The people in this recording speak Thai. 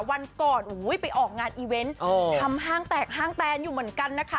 วันก่อนไปออกงานอีเว้นที่กางเตรนงกันนะคะ